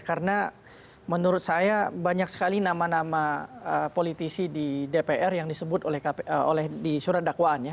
karena menurut saya banyak sekali nama nama politisi di dpr yang disebut oleh di surat dakwaan ya